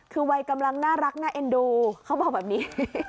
คือวัยกำลังน่ารักน่าเอ็นดูเขาบอกแบบนี้